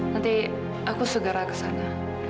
nanti aku segera ke sana